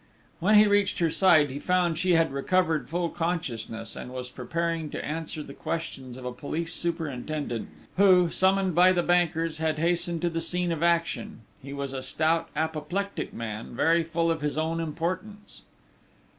When he reached her side, he found she had recovered full consciousness, and was preparing to answer the questions of a police superintendent, who, summoned by the bankers, had hastened to the scene of action. He was a stout, apoplectic man, very full of his own importance.